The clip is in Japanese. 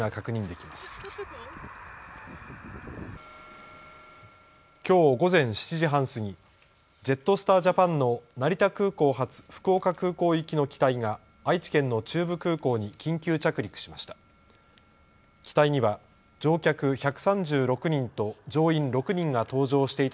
きょう午前７時半過ぎ、ジェットスター・ジャパンの成田空港発福岡空港行きの機体が愛知県の中部空港に緊急着陸しました。